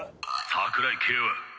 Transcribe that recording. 桜井景和！